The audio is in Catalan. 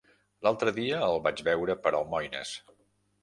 L'altre dia el vaig veure per Almoines.